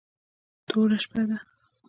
توره شپه ده .